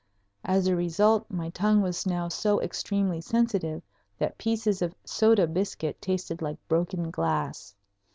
As a result my tongue was now so extremely sensitive that pieces of soda biscuit tasted like broken glass.